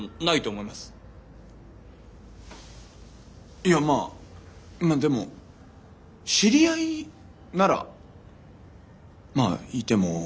いやまぁまぁでも知り合いならまぁいてもいいかな。